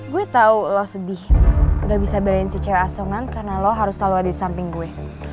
gue tau lo sedih gak bisa beri cewek asongan karena lo harus selalu ada disamping gue